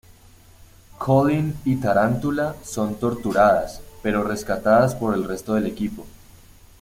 Colleen y Tarantula son torturadas, pero rescatadas por el resto del equipo.